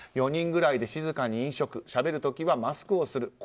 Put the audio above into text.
４人ぐらいで静かに飲食しゃべる時はマスクをする。